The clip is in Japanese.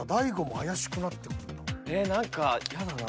えっ何かやだな。